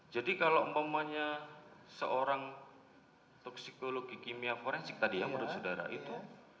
jadi kalau umpamanya seorang toksikologi kimia forensik tadi ya menurut saudara itu